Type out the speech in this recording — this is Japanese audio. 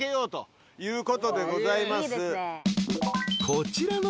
［こちらの］